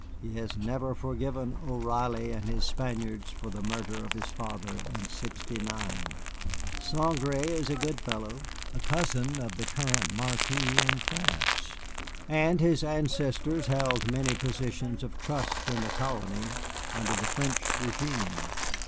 He has never forgiven O'Reilly and his Spaniards for the murder of his father in sixty nine. Saint Gré is a good fellow, a cousin of the present Marquis in France, and his ancestors held many positions of trust in the colony under the French régime.